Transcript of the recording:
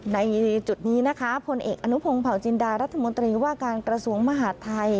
ในจุดนี้นะคะผลเอกอนุพงศ์เผาจินดารัฐมนตรีว่าการกระทรวงมหาดไทย